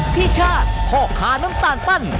พี่ชาติพ่อค้าน้ำตาลปั้น